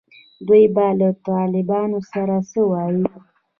دوی به له طالبانو سره څه وایي.